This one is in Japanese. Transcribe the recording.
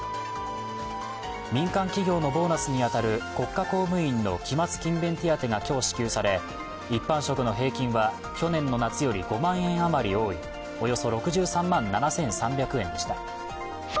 民間企業のボーナスに当たる国家公務員の期末・勤勉手当が今日、支給され、一般職の平均は去年の夏より５万円あまり多いおよそ６３万７３００円でした。